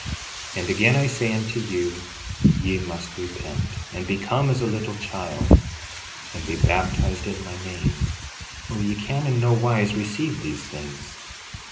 11:37 And again I say unto you, ye must repent, and become as a little child, and be baptized in my name, or ye can in nowise receive these things.